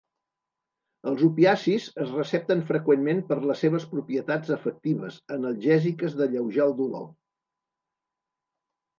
Els opiacis es recepten freqüentment per les seves propietats efectives analgèsiques d'alleujar el dolor.